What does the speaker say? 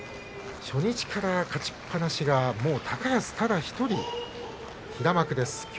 初日から勝ちっぱなしがもう高安ただ１人、平幕です。